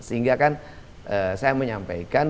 sehingga kan saya menyampaikan